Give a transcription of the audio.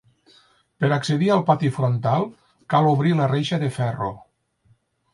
Per accedir al pati frontal, cal obrir la reixa de ferro.